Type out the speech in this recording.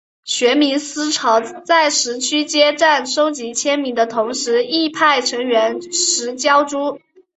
学民思潮在十区街站收集签名的同时亦派成员拾胶珠。